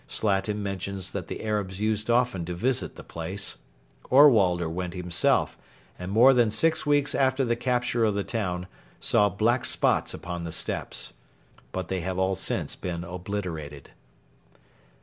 Slatin mentions that the Arabs used often to visit the place. Ohrwalder went himself, and more than six weeks after the capture of the town, saw 'black spots' upon the steps. But they have all since been obliterated.